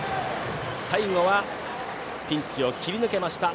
最後はピンチを切り抜けました